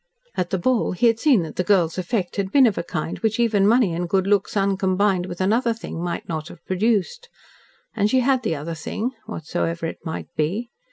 At the ball he had seen that the girl's effect had been of a kind which even money and good looks uncombined with another thing might not have produced. And she had the other thing whatsoever it might be.